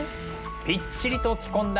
ぴっちりと着込んだ